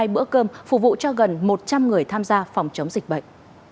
hai bữa cơm phục vụ cho gần một trăm linh người tham gia phòng chống dịch bệnh